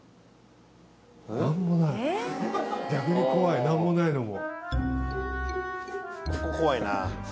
逆に怖い何もないのも。